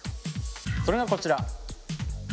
それがこちら。